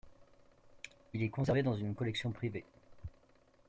Il est conservé dans une collection privée.